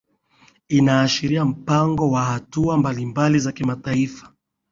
inaashiria mpango wa hatua mbalimbali za kimataifa